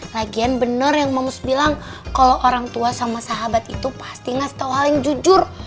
lagian bener yang moms bilang kalau orang tua sama sahabat itu pasti ngasih tau hal yang jujur